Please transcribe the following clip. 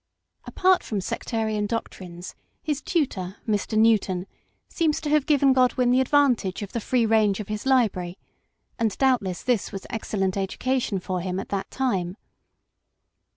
Apart from sectarian doctrines, his tutor, Mr. Newton, seems to have given Godwin the advantage of the free range of his library ; and doubtless this was excellent education for him at that time.